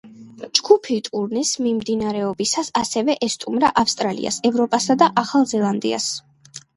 ჯგუფი, ტურნეს მიმდინარეობისას ასევე ესტუმრა ავსტრალიას, ევროპასა და ახალ ზელანდიას.